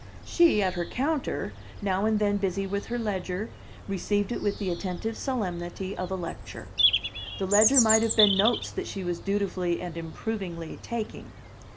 She, at her counter, now and then busy with her ledger, received it with the attentive solemnity of a lecture. The ledger might have been notes that she was dutifully and improvingly taking.